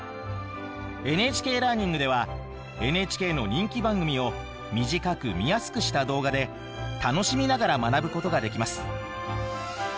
ＮＨＫラーニングではＮＨＫの人気番組を短く見やすくした動画で楽しみながら学ぶことができます。